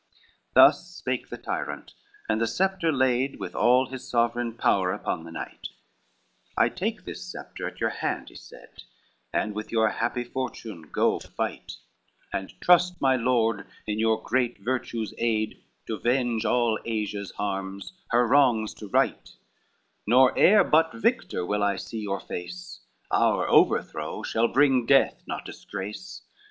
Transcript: XXXIX Thus spake the tyrant, and the sceptre laid With all his sovereign power upon the knight: "I take this sceptre at your hand," he said, "And with your happy fortune go to fight, And trust, my lord, in your great virtue's aid To venge all Asia's harms, her wrongs to right, Nor e'er but victor will I see your face; Our overthrow shall bring death, not disgrace.